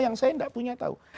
yang saya tidak punya tahu